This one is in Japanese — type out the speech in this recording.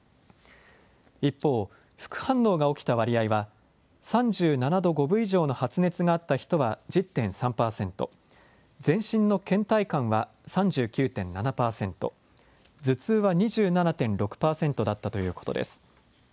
一方、副反応が起きた割合は３７度５分以上の発熱があった人は１０．３％、全身のけん怠感は３９．７％、頭痛は２７．６％だったということです。